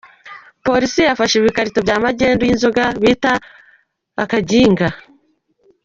Polisi yafashe ibikarito bya magendu y’inzoga bita akaginga